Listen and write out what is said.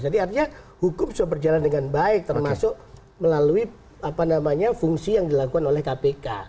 jadi artinya hukum sudah berjalan dengan baik termasuk melalui fungsi yang dilakukan oleh kpk